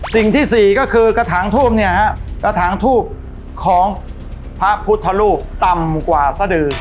สี่ก็คือกระถางทูบเนี่ยฮะกระถางทูบของพระพุทธรูปต่ำกว่าสดือ